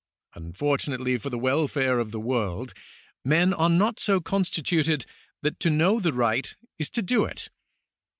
Unfortunately for the welfare of tiie world, men are not so constituted that to know the right is to do it.